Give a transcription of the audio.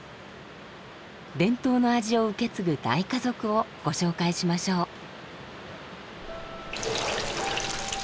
伝統の味を受け継ぐ大家族をご紹介しましょう。